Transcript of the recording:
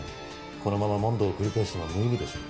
このまま問答を繰り返しても無意味でしょう。